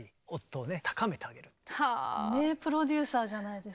名プロデューサーじゃないですか。